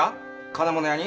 金物屋に？